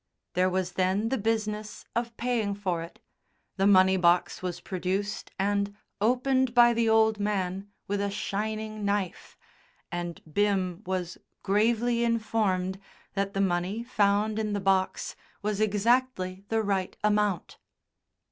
There was then the business of paying for it, the money box was produced and opened by the old man with "a shining knife," and Bim was gravely informed that the money found in the box was exactly the right amount.